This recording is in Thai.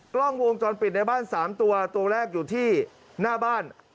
กล้องวงจรปิดในบ้าน๓ตัวตัวแรกอยู่ที่หน้าบ้าน